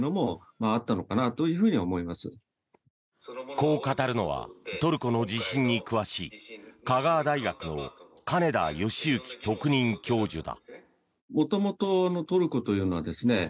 こう語るのはトルコの地震に詳しい香川大学の金田義行特任教授だ。